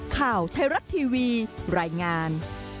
ข่าวไทยรัฐทีวีรายงาน